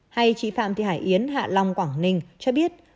hay chị phạm thị hải yến hạ long quảng ninh cho biết